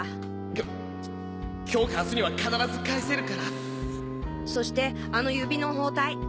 きょ今日か明日には必ず返せるからそしてあの指の包帯。